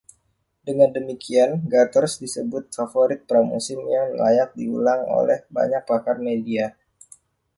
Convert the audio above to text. Dengan demikian, Gators disebut favorit pramusim yang layak diulang oleh banyak pakar media.